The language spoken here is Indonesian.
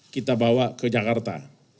kita bawa ke jakarta